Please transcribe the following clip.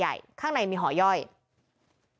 และก็คือว่าถึงแม้วันนี้จะพบรอยเท้าเสียแป้งจริงไหม